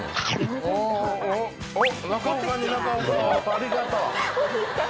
ありがとう。